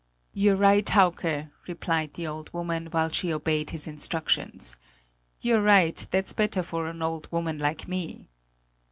"You're right, Hauke!" replied the old woman, while she obeyed his instructions; "you're right; that's better for an old woman like me!"